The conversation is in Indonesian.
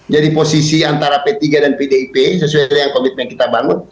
jadi posisi antara p tiga dan pdip sesuai dengan komitmen yang kita bangun